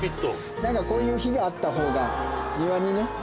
何かこういう火があったほうが庭にね。